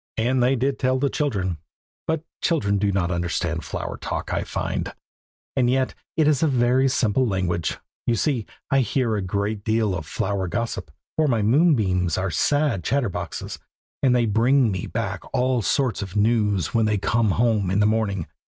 And they did tell the children, but children do not understand flower talk, I find. And yet it is a very simple language. You see, I hear a great deal of flower gossip, for my moonbeams are sad chatterboxes, and they bring me back all sorts of news when they come home in the morning.